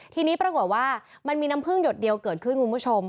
ทีนี้ปรากฏว่ามันมีน้ำพึ่งหยดเดียวเกิดขึ้นคุณผู้ชม